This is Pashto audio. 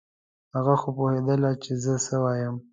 هغه خو پوهېدله چې زه څه وایم.